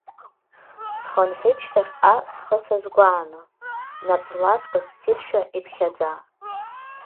Схынҳәит шьҭахьҟа схы сазгәааны, нап зласкыз ссиршәа иԥхьаӡа…